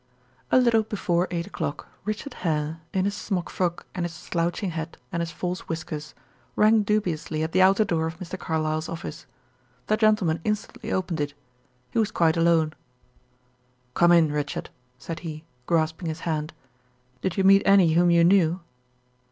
A little before eight o'clock, Richard Hare, in his smock frock and his slouching hat and his false whiskers, rang dubiously at the outer door of Mr. Carlyle's office. That gentleman instantly opened it. He was quite alone. "Come in, Richard," said he, grasping his hand. "Did you meet any whom you knew?"